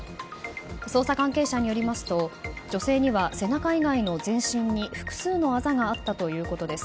捜査関係者によりますと女性には背中以外の全身に複数のあざがあったということです。